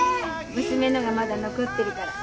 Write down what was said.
娘のがまだ残ってるから。